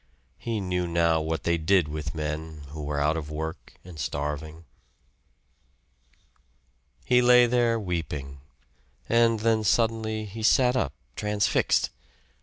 He knew now what they did with men who were out of work and starving. He lay there weeping, and then suddenly he sat up transfixed.